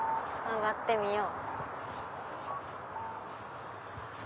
曲がってみよう。